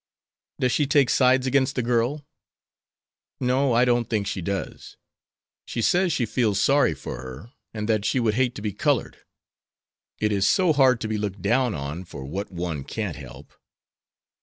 "Does she take sides against the girl?" "No, I don't think she does. She says she feels sorry for her, and that she would hate to be colored. 'It is so hard to be looked down on for what one can't help.'"